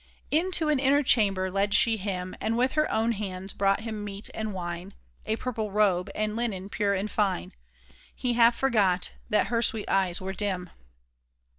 Into an inner chamber led she him, And with her own hands brought him meat and wine, A purple robe, and linen pure and fine. He half forgot that her sweet eyes were dim